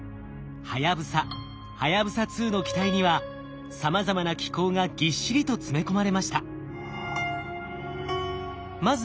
はやぶさはやぶさ２の機体にはさまざまな機構がぎっしりと詰め込まれました。